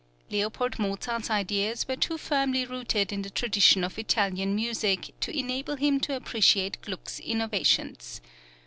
L. Mozart's ideas were too firmly rooted in the tradition of Italian music to enable him to appreciate Gluck's innovations.